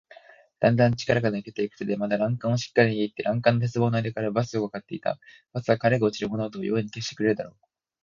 だんだん力が抜けていく手でまだ欄干をしっかりにぎって、欄干の鉄棒のあいだからバスをうかがっていた。バスは彼が落ちる物音を容易に消してくれるだろう。